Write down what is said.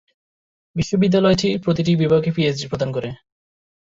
বিশ্ববিদ্যালয়টি প্রতিটি বিভাগে পিএইচডি প্রদান করে।